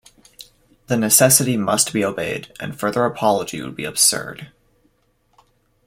The necessity must be obeyed, and further apology would be absurd.